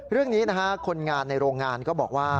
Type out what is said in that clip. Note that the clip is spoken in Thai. เรื่องนี้นะฮะคนงานในโรงงานก็บอกว่า